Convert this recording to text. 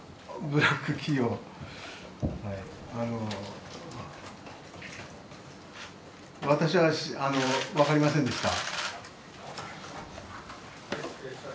ブラック企業私は分かりませんでした。